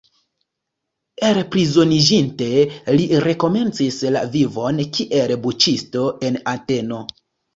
Elprizoniĝinte, li rekomencis la vivon kiel buĉisto en Ateno.